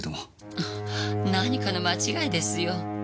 何かの間違いですよ。